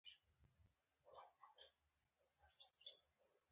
غوښې د افغانانو د معیشت سرچینه ده.